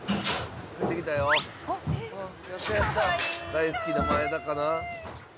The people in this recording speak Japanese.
大好きな前田かな？